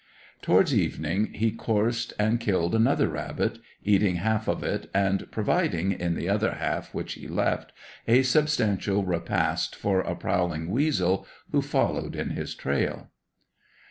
Towards evening he coursed and killed another rabbit, eating half of it, and providing, in the other half which he left, a substantial repast for a prowling weasel who followed in his trail.